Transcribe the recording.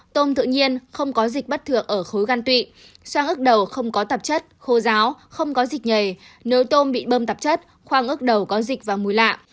tôm tự nhiên không có dịch bất thường ở khối gan tụy sang ức đầu không có tạp chất khô giáo không có dịch nhảy nếu tôm bị bơm tạp chất khoang ức đầu có dịch và mùi lạ